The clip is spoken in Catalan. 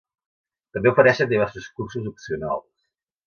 També ofereixen diversos cursos opcionals.